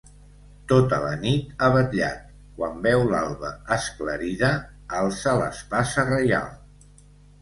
Tota la nit ha vetllat; quan veu l’alba esclarida alça l’espasa reial.